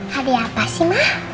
hadiah apa sih ma